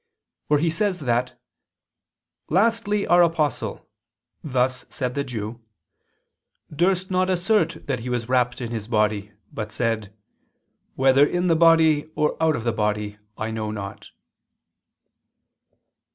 where he says that "lastly our Apostle" (thus said the Jew) "durst not assert that he was rapt in his body, but said: 'Whether in the body or out of the body, I know not.'"